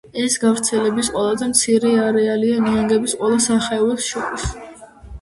ეს გავრცელების ყველაზე მცირე არეალია ნიანგების ყველა სახეობებს შორის.